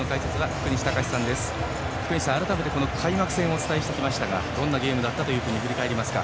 福西さん、改めて開幕戦をお伝えしてきましたがどんなゲームだったと振り返りますか？